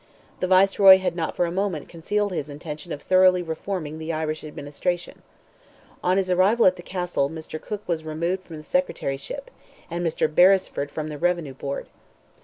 The Viceroy had not for a moment concealed his intention of thoroughly reforming the Irish administration. On his arrival at the Castle, Mr. Cooke was removed from the Secretaryship, and Mr. Beresford from the Revenue Board.